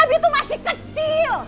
abi tuh masih kecil